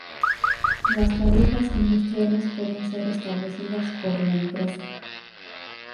Las tarifas industriales pueden ser establecidas por la empresa.